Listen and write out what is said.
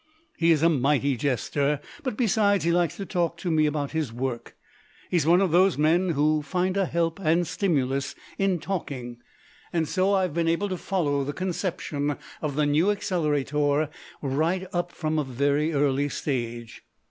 He is a mighty jester, but, besides, he likes to talk to me about his work; he is one of those men who find a help and stimulus in talking, and so I have been able to follow the conception of the New Accelerator right up from a very early stage.